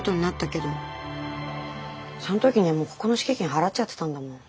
その時にはもうここの敷金払っちゃってたんだもん。